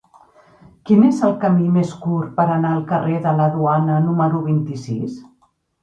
Quin és el camí més curt per anar al carrer de la Duana número vint-i-sis?